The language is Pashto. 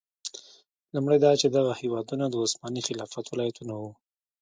لومړی دا چې دغه هېوادونه د عثماني خلافت ولایتونه وو.